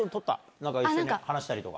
なんか一緒に話したりとか。